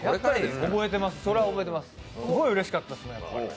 すごいうれしかったっすね。